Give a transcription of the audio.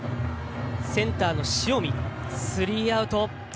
センターの塩見、スリーアウト。